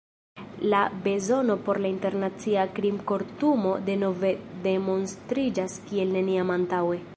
La bezono por la Internacia Krimkortumo denove demonstriĝas kiel neniam antaŭe.